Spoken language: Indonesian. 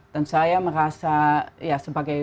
dan saya merasa ya sebagai